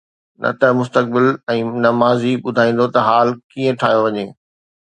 نه ته مستقبل ۽ نه ماضي ٻڌائيندو ته حال ڪيئن ٺاهيو وڃي.